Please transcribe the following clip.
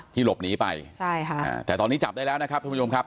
หลบหนีไปใช่ค่ะแต่ตอนนี้จับได้แล้วนะครับท่านผู้ชมครับ